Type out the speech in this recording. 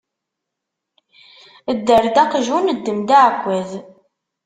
Dder-d aqjun, ddem-d aɛekkaz!